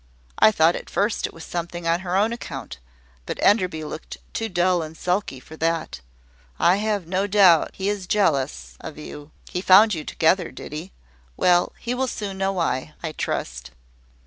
I thought at first it was something on her own account; but Enderby looked too dull and sulky for that. I have no doubt he is jealous of you. He found you together, did he? Well, he will soon know why, I trust.